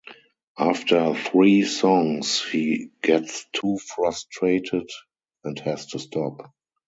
After three songs he gets too frustrated and has to stop.